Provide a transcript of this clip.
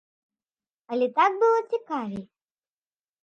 Але так было цікавей.